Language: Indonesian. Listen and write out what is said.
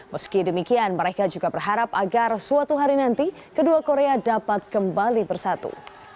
meski demikian mereka juga berharap agar suatu hari nanti kedua korea dapat kembali bersatu